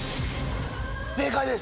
正解です。